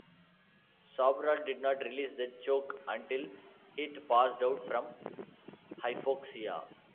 Sobral did not release the choke until Heath passed out from hypoxia.